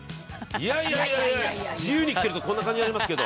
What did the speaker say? いやいやいやいやいや自由に生きてるとこんな感じになりますけど。